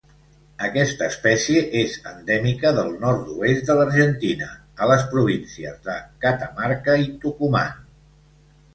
Aquesta espècie és endèmica del nord-oest de l'Argentina, a les províncies de Catamarca i Tucumán.